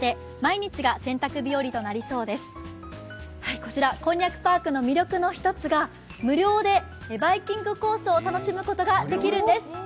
こちら、こんにゃくパークの魅力の一つが無料でバイキングコースを楽しむことができるんです。